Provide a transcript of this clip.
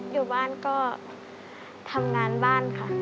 อยู่บ้านก็ทำงานบ้านค่ะ